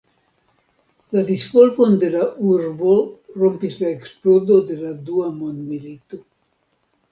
La disvolvon de la urbo rompis la eksplodo de la Dua Mondmilito.